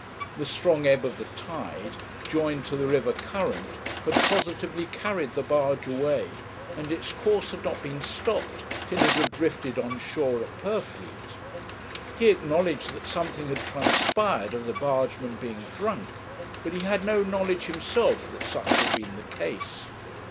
The strong ebb of the tide, joined to the river current, had positively carried the barge away, and its course had not been stopped till it had drifted on shore at Purfleet. He acknowledged that something had transpired of the bargemen being drunk, but he had no knowledge himself that such had been the case.